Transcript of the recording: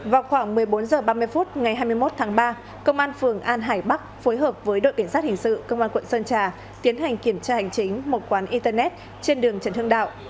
vào khoảng một mươi bốn h ba mươi phút ngày hai mươi một tháng ba công an phường an hải bắc phối hợp với đội kiểm soát hình sự công an quận sơn trà tiến hành kiểm tra hành chính một quán internet trên đường trần hưng đạo